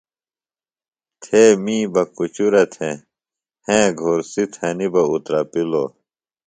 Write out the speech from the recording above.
تھے می بہ کُچُرہ تھےۡ ہیں گھورڅیۡ تھنیۡ بہ اُترپِلوۡ